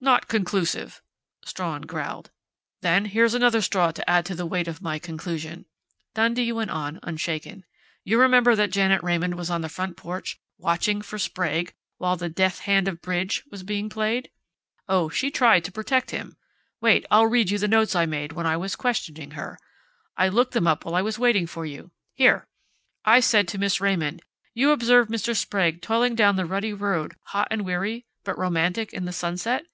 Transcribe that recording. "Not conclusive," Strawn growled. "Then here's another straw to add to the weight of my conclusion," Dundee went on unshaken. "You remember that Janet Raymond was on the front porch watching for Sprague, while the 'death hand of bridge' was being played?... Oh, she tried to protect him.... Wait, I'll read you the notes I made when I was questioning her. I looked them up while I was waiting for you.... Here! I had said to Miss Raymond: 'You observed Mr. Sprague toiling down the rutty road, hot and weary, but romantic in the sunset?'